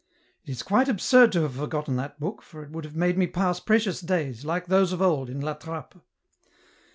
" It is quite absurd to have forgotten that book, for it would have made me pass precious days, like those of old, in La Trappe.